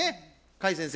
甲斐先生。